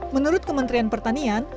menurut kementerian pertanian